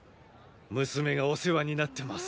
娘がお世話になってます。